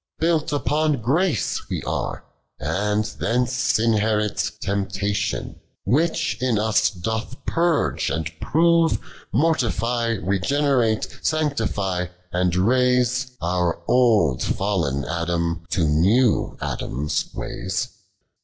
Built upon graco wc arc, nnd thcace iDherit TcmptEitioa, which in us doth purgo and pro MortiGc, Tcgeoerate, sonctifji' and raise Our old faU'n Adam to new Adam's ways 97.